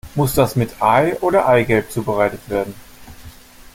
Muss das mit Ei oder Eigelb zubereitet werden?